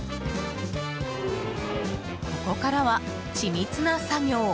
ここからは緻密な作業。